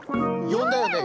よんだよね？